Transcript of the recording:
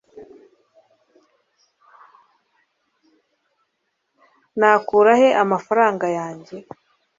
nakura he amafaranga yanjye